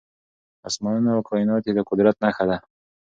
اسمانونه او کائنات يې د قدرت نښه ده .